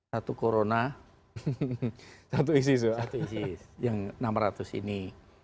satu corona satu eksistis yang enam ratus ini